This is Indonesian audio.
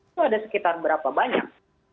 itu ada sekitar berapa banyak